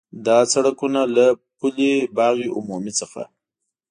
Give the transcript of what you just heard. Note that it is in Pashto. دا سړکونه له پُل باغ عمومي څخه